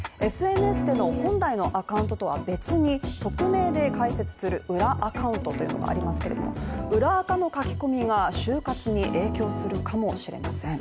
ＳＮＳでの本来のアカウントとは別に匿名で解説する裏アカウントというのがありますけれども裏アカの書き込みが、就活に影響するかもしれません。